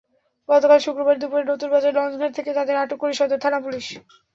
গতকাল শুক্রবার দুপুরে নতুন বাজার লঞ্চঘাট থেকে তাঁদের আটক করে সদর থানা-পুলিশ।